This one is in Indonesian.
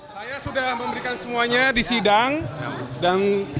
saya sudah memberikan semuanya di sidang dan terima kasih